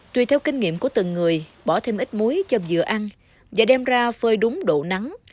tùy theo kinh nghiệm của từng người bỏ thêm ít muối cho dừa ăn và đem ra phơi đúng độ nắng